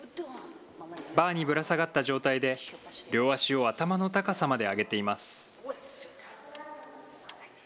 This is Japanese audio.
バーにぶら下がった状態で、両足を頭の高さまで上げています。